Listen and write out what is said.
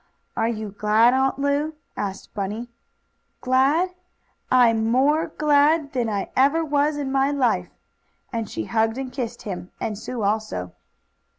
"Are you glad, Aunt Lu?" asked Bunny. "Glad? I'm more glad than I ever was in my life!" and she hugged and kissed him, and Sue also.